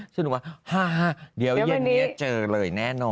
ซึ่งหนูว่าฮ่าเดี๋ยวเย็นนี้เจอเลยแน่นอน